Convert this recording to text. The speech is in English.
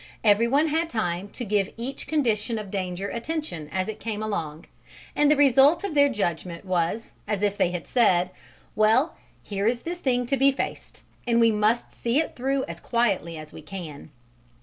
Everyone had time to give each condition of danger attention as it came along, and the result of their judgment was as if they had said: "Well, here is this thing to be faced, and we must see it through as quietly as we can."